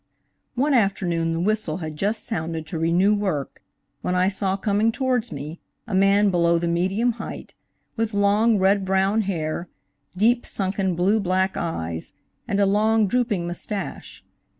One afternoon the whistle had just sounded to renew work, when I saw coming towards me a man below the medium height, with long red brown hair, deep sunken blue black eyes and a long, drooping mustache.